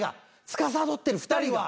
つかさどってる２人は。